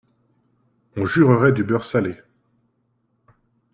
On jurerait du beurre salé …